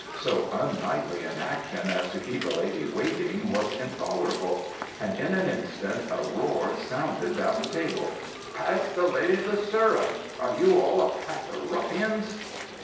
So unknightly an action as to keep a lady waiting was intolerable, and in an instant a roar sounded down the table. ''Pass the lady the syrup! Are you all a pack of ruffians?"